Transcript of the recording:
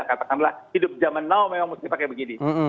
katakanlah hidup jaman now memang harus dipakai begini